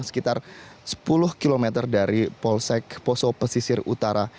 sekitar sepuluh km dari polsek poso pesisir utara